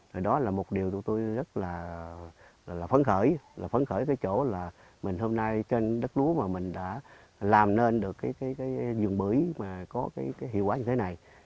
rồi đó là một điều tụi tôi rất là phấn khởi là phấn khởi cái chỗ là mình hôm nay trên đất lúa mà mình đã làm nên được cái vườn bưởi mà có cái hiệu quả như thế này